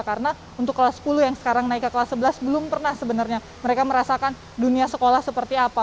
karena untuk kelas sepuluh yang sekarang naik ke kelas sebelas belum pernah sebenarnya mereka merasakan dunia sekolah seperti apa